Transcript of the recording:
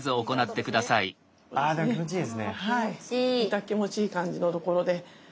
イタ気持ちいい感じのところで。